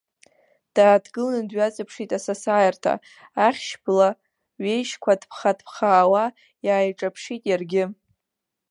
Дааҭгыланы дҩаҵаԥшит асасааирҭа, ахьшь бла ҩежьқәа ҭԥхаа-ҭԥхаауа иааиҿаԥшит иаргьы.